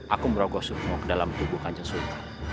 aku merogoh suruhmu ke dalam tubuh kanjeng sultan